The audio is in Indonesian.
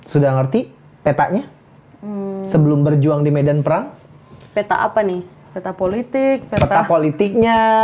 sudah ngerti petanya sebelum berjuang di medan perang peta apa nih peta politik peta politiknya